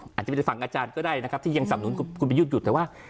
อาจจะเป็นฝั่งอาจารย์ก็ได้นะครับที่ยังสับหนุนคุณประยุทธ์อยู่แต่ว่า